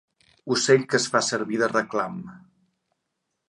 Ocell que es fa servir de reclam.